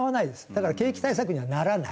だから景気対策にはならない。